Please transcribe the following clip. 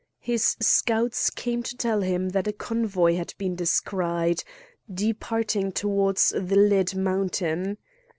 His scouts came to tell him that a convoy had been descried, departing towards the Lead Mountain.